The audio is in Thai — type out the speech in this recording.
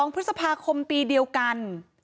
๒พฤษภาคมปีเดียวกัน